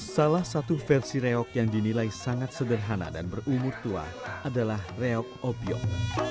salah satu versi reok yang dinilai sangat sederhana dan berumur tua adalah reok opiok